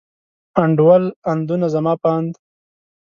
انډول، اندونه، زما په اند.